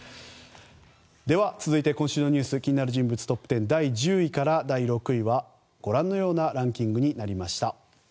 では、続いて今週のニュース気になる人物トップ１０第１０位から第６位はご覧のようなランキングになりました。